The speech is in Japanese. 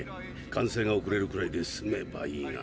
完成がおくれるくらいで済めばいいが。